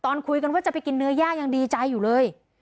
ตอนคุยกันว่าจะไปกินเนื้อย่ายังดีใจอยู่เลย